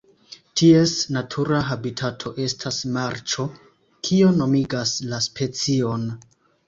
Ties natura habitato estas marĉo kio nomigas la specion.